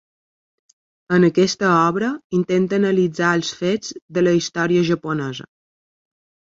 En aquesta obra intenta analitzar els fets de la història japonesa.